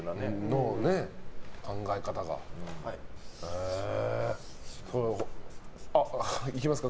考え方が。いきますか？